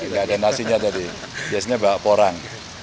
gak ada nasinya tadi biasanya bawa porang